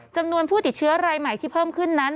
จำนวนผู้ติดเชื้อรายใหม่ที่เพิ่มขึ้นนั้น